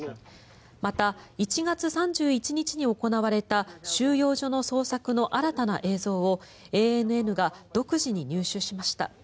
また、１月３１日に行われた収容所の捜索の新たな映像をＡＮＮが独自に入手しました。